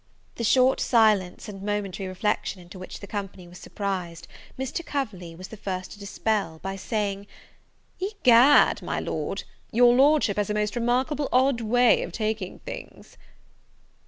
The short silence and momentary reflection into which the company was surprised, Mr. Coverley was the first to dispel, by saying, "Egad, my Lord, your Lordship has a most remarkable odd way of taking things."